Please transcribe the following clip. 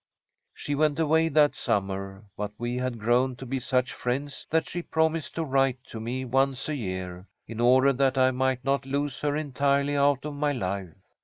"She went away that summer, but we had grown to be such friends that she promised to write to me once a year, in order that I might not lose her entirely out of my life.